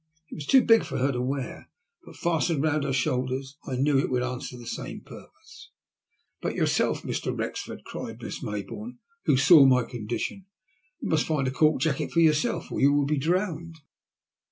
It was too big for her to wear, but fastened round her shoulders I knew it would answer the same purpose. " But yourself, Mr. Wrexford ?cried Miss May bourne, who saw my condition. " You must find a cork jacket for yourself, or you will be drowned."